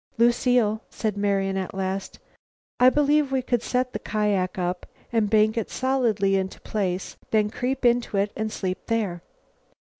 "Lucile," said Marian at last, "I believe we could set the kiak up and bank it solidly into place, then creep into it and sleep there."